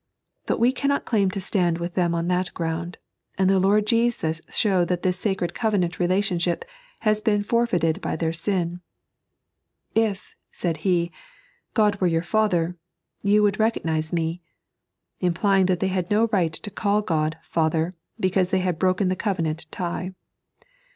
But we cannot claim to stand with them on that ground, and the Lord Jesus showed that this sacred covenant relaticmship has been forfeited by their sin. "If," said He, "God were your Father," you would recognise Me — implying that they had no right to call God " Father," because they had broken the covenant tie.